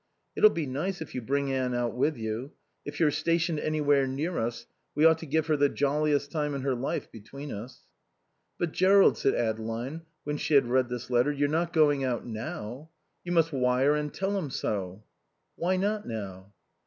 "It'll be nice if you bring Anne out with you. If you're stationed anywhere near us we ought to give her the jolliest time in her life between us." "But Jerrold," said Adeline when she had read this letter. "You're not going out now. You must wire and tell him so." "Why not now?"